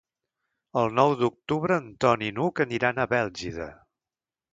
El nou d'octubre en Ton i n'Hug aniran a Bèlgida.